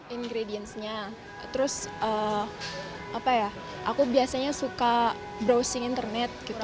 ingredients nya terus apa ya aku biasanya suka browsing internet gitu